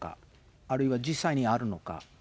あるいは実際にあるのか。